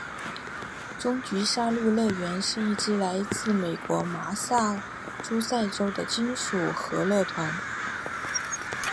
终极杀戮乐团是一支来自美国麻萨诸塞州的金属核乐团。